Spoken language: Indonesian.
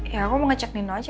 ya aku mau ngecek nino aja